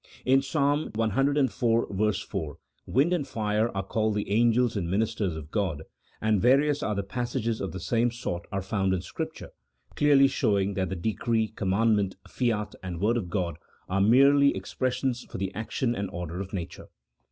In Psalm civ. 4, wind and fire are called the angels and ministers of God, and various other passages of the same sort are found in Scripture, clearly showing that the decree, commandment, fiat, and word of God are merely expres sions for the action and order of nature.